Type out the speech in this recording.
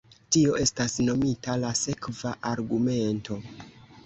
Tio estas nomita la sekva argumento.